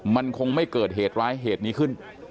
มันคงไม่เกิดเหตุร้ายเหตุนี้ขึ้น